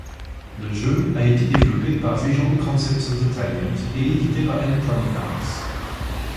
Le jeu a été développé par Visual Concepts Entertainment et édité par Electronic Arts.